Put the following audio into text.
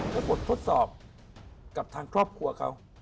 บททดสอบกับทางครอบครัวเขา